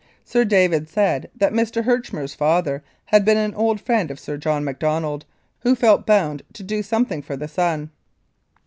Sir David said that Mr. Herch mer's father had been an old friend of Sir John Mac donald, who felt bound to do something for the son.